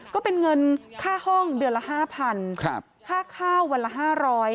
ก็เป็นเงินค่าห้องเดือนละ๕๐๐ค่าข้าววันละ๕๐๐บาท